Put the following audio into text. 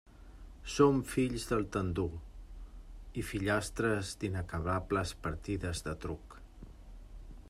Som fills del tendur i fillastres d'inacabables partides de truc.